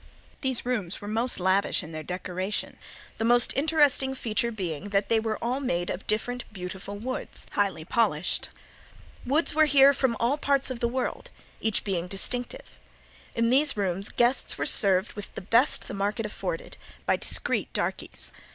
These rooms were most lavish in their decoration, the most interesting feature being that they were all made of different beautiful woods, highly polished. Woods were here from all parts of the world, each being distinctive. In these rooms guests were served with the best the market afforded, by discreet darkeys.